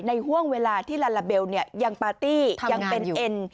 ห่วงเวลาที่ลาลาเบลยังปาร์ตี้ยังเป็นเอ็น